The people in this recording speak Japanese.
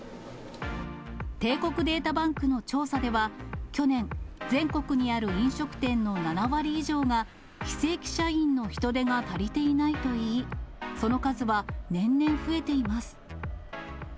帝国データバンクの調査では、去年、全国にある飲食店の７割以上が、非正規社員の人手が足りていないといい、その数は年々増えています。